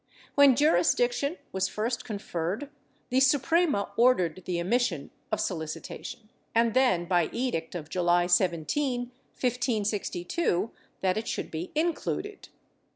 When jurisdiction was first con ferred, the Suprema ordered the omission of solicitation and then, by edict of July 17, 1562, that it should be included.